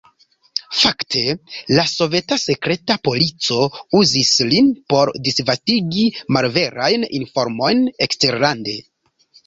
Fakte la soveta sekreta polico uzis lin por disvastigi malverajn informojn eksterlande.